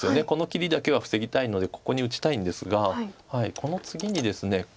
この切りだけは防ぎたいのでここに打ちたいんですがこの次にですね